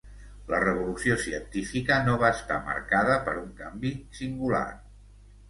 La revolució científica no va estar marcada per un canvi singular.